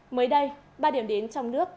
mới đây ba điểm đến trong nước